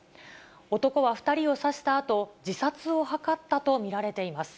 男は２人を刺したあと、自殺を図ったと見られています。